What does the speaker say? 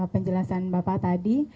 penjelasan bapak tadi